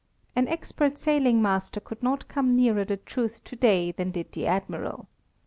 An expert sailing master could not come nearer the truth today than did the Admiral.